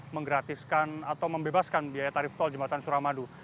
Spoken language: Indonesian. menggratiskan atau membebaskan biaya tarif tol jembatan suramadu